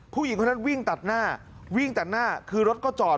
ผู้หญิงคนนั้นวิ่งตัดหน้าวิ่งตัดหน้าคือรถก็จอด